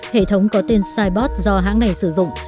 hệ thống có tên cybot do hãng này sử dụng